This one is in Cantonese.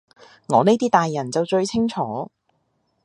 我呢啲大人就最清楚